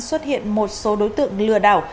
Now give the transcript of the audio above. xuất hiện một số đối tượng lừa đảo